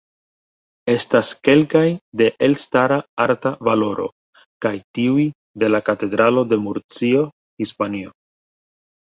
Estas kelkaj de elstara arta valoro, kiaj tiuj de la katedralo de Murcio, Hispanio.